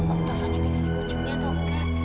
om taufan dia bisa nyikut menyadong